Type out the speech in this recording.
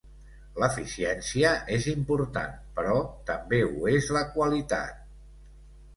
L'eficiència és important, però també ho és la qualitat.